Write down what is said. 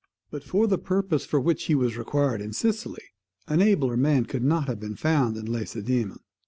But for the purpose for which he was required in Sicily, an abler man could not have been found in Lacedaemon.